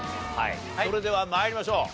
それでは参りましょう。